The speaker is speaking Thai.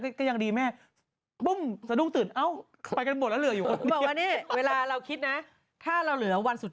นางคิดแบบว่าไม่ไหวแล้วไปกด